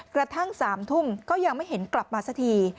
กระทั่ง๓ทุ่มก็ยังไม่เห็นกลับมาสักที